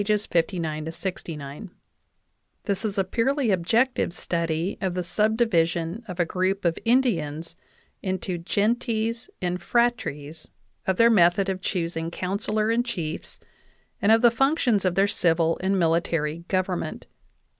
59 69) ; this is a purely objective study of the subdivision of a group of Indians into gentes and phratries, of their method of choosing councillor and chiefs, and of the functions of their civil and military government.